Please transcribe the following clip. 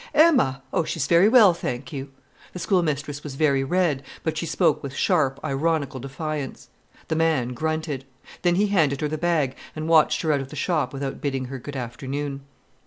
"Emma! Oh, she's very well, thank you!" The schoolmistress was very red, but she spoke with sharp, ironical defiance. The man grunted. Then he handed her the bag and watched her out of the shop without bidding her "Good afternoon".